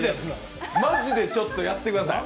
マジでちょっとやってください。